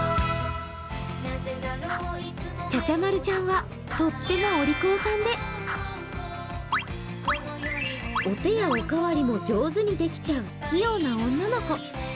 ちゃちゃまるちゃんは、とってもお利口さんで、お手やおかわりも上手にできちゃう器用な女の子。